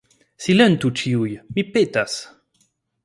Silentu ĉiuj, mi petas!